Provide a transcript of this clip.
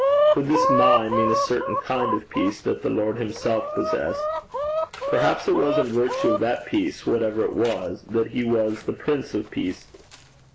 Could this my mean a certain kind of peace that the Lord himself possessed? Perhaps it was in virtue of that peace, whatever it was, that he was the Prince of Peace.